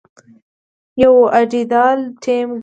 يو ايديال ټيم ګڼي.